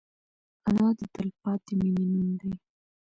انا د تلپاتې مینې نوم دی